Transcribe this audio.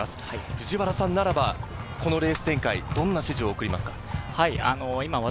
藤原さんならば、このレース展開、どんな指示を送りますか？